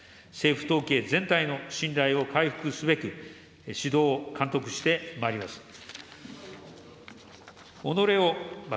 政府統計全体の信頼を回復すべく、指導、監督してまいります。